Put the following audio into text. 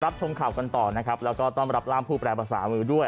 ชมข่าวกันต่อนะครับแล้วก็ต้อนรับร่างผู้แปรภาษามือด้วย